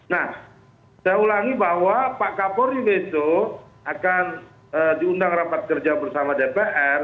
nah saya ulangi bahwa pak kapolri besok akan diundang rapat kerja bersama dpr